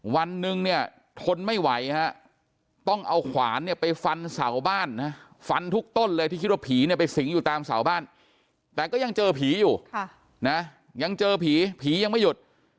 วันหนึ่งเนี่ยทนไม่ไหวฮะต้องเอาขวานเนี่ยไปฟันเสาบ้านนะฟันทุกต้นเลยที่คิดว่าผีเนี่ยไปสิงอยู่ตามเสาบ้านแต่ก็ยังเจอผีอยู่นะยังเจอผีผียังไม่หยุด